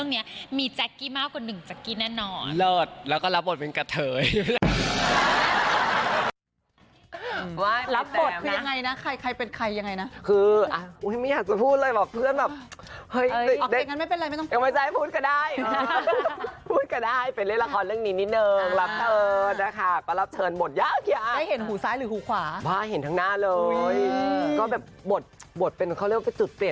เนื้อก็คืออุประศัยอีสานทั้งหมดเลย